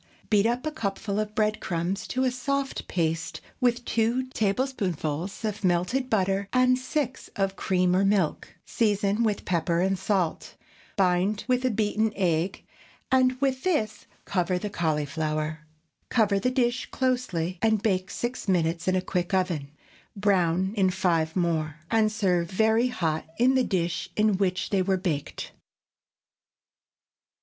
Beat up a cupful of bread crumbs to a soft paste with two tablespoonfuls of melted butter and six of cream or milk; season with pepper and salt, bind with a beaten egg, and with this cover the cauliflower. Cover the dish closely and bake six minutes in a quick oven; brown in five more, and serve very hot in the dish in which they were baked.